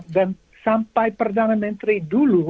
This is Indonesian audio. dan sampai perdana menteri dulu